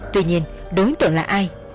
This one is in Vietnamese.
tuy nhiên đối tượng là ai